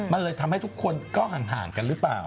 มันเลยทำให้ทุกคนก็ห่างกันหรือเปล่า